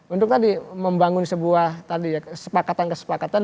untuk tadi membangun sebuah tadi ya kesepakatan kesepakatan